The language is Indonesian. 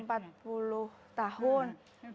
berusia satu tahun